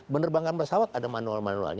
menerbangkan pesawat ada manual manualnya